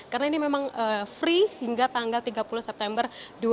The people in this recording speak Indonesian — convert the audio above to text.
karena ini memang free hingga tanggal tiga puluh september dua ribu dua puluh tiga